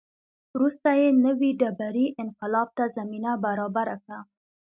وروسته یې نوې ډبرې انقلاب ته زمینه برابره کړه.